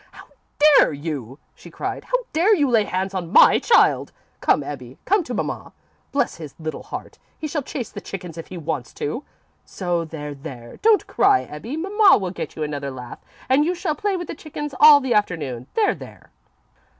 "How dare you!" she cried. "How dare you lay hands on my child! Come, Ebbie, come to mamma. Bless his little heart, he shall chase the chickens if he wants to, so there, there. Don't cry, Ebbie. Mamma will get you another lath and you shall play with the chickens all the afternoon. There, there!"